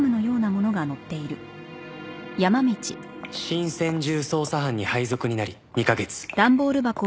新専従捜査班に配属になり２カ月